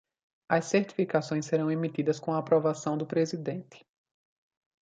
As certificações serão emitidas com a aprovação do Presidente.